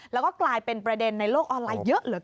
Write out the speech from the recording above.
แล้วก็กลายเป็นประเด็นในโลกออนไลน์เยอะเหลือเกิน